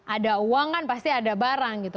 ada uangan pasti ada barang gitu